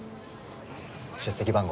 出席番号。